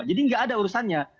jadi nggak ada urusannya